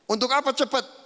untuk apa cepat